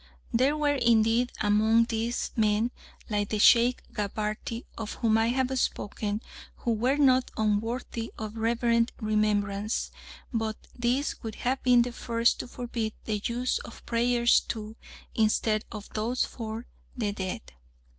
There were indeed among these, men, like the Sheikh Gabarty of whom I have spoken, who were not unworthy of reverent remembrance, but these would have been the first to forbid the use of prayers to, instead of those for, the dead.